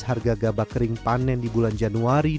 harga gabah kering panen di bulan januari dua ribu dua puluh tiga